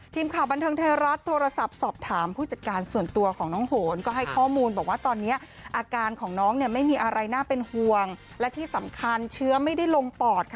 ทีมข่าวบันเทิงไทยรัฐโทรศัพท์สอบถามผู้จัดการส่วนตัวของน้องโหนก็ให้ข้อมูลบอกว่าตอนนี้อาการของน้องเนี่ยไม่มีอะไรน่าเป็นห่วงและที่สำคัญเชื้อไม่ได้ลงปอดค่ะ